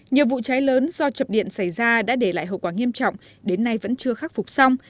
nhiều vụ cháy lớn do chập điện xảy ra đã để lại hậu quả nghiêm trọng đến nay vẫn chưa khắc phục xong